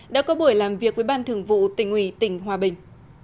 đã có buổi làm việc với ban thường vụ tỉnh ủy tỉnh hòa bình